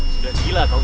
sudah gila kau ini